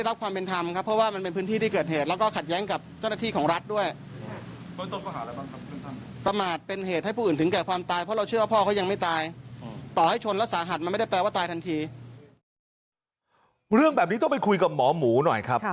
เรื่องแบบนี้ต้องไปคุยกับหมอหมูหน่อยครับ